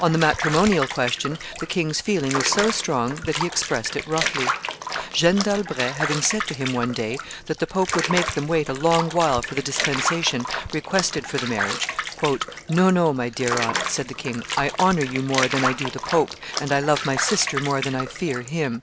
On the matrimonial question the king's feeling was so strong that he expressed it roughly. Jeanne d'Albret having said to him one day that the pope would make them wait a long while for the dispensation requested for the marriage, "No, no, my clear aunt," said the king; "I honor you more than I do the pope, and I love my sister more than I fear him.